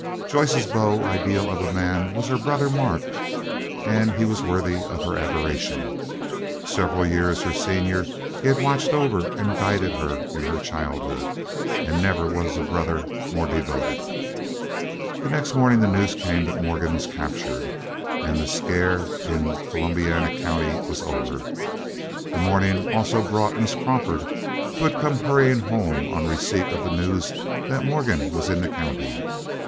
Joyce's beau ideal of a man was her brother Mark, and he was worthy of her adoration. Several years her senior, he had watched over and guided her in her childhood, and never was a brother more devoted. The next morning the news came that Morgan was captured, and the scare in Columbiana County was over. The morning also brought Miss Crawford, who had come hurrying home on receipt of the news that Morgan was in the county.